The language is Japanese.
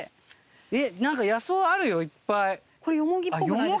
えっ何か野草あるよいっぱい。